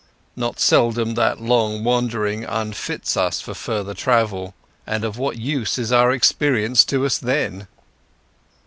Not seldom that long wandering unfits us for further travel, and of what use is our experience to us then?